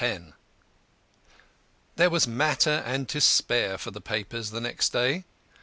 X There was matter and to spare for the papers the next day.